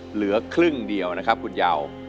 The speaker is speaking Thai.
เหลือครึ่งเดียวนะครับคุณยาว